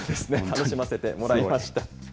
楽しませてもらいました。